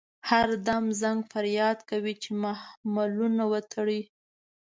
هر دم زنګ فریاد کوي چې محملونه وتړئ.